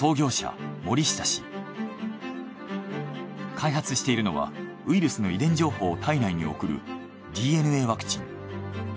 開発しているのはウイルスの遺伝情報を体内に送るＤＮＡワクチン。